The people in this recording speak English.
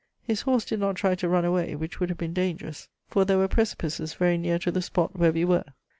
His horse did not try to run away, which would have been dangerous, for there were precipices very near to the spot where we were."